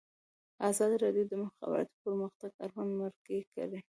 ازادي راډیو د د مخابراتو پرمختګ اړوند مرکې کړي.